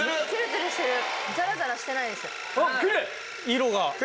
色が。